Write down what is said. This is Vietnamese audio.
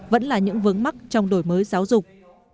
vẫn là những vướng mắc trong đổi mới giáo dục